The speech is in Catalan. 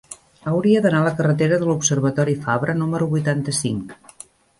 Hauria d'anar a la carretera de l'Observatori Fabra número vuitanta-cinc.